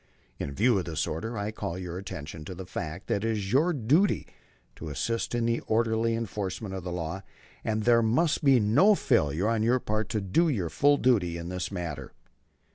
In view of this order I call your attention to the fact that it is your duty to assist in the orderly enforcement of the law, and there must be no failure on your part to do your full duty in the matter.